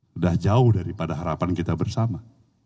sudah jauh daripada harapan kita bersama